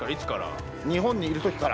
日本にいる時から。